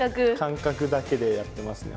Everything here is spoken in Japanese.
感覚だけでやってますね